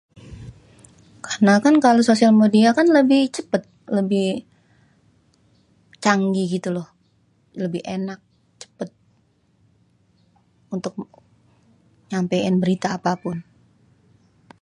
karna kan kalo sosial media kan lebih cepet lebih canggih gituloh lebih enak cepet untuk nyampein berita apapun